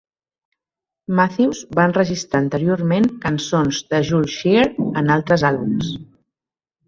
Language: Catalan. Matthews va enregistrar anteriorment cançons de Jules Shear en altres àlbums.